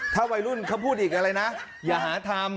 ถ้าวัยรุ่นเขาพูดอีกอะไรนะอย่าหาทำ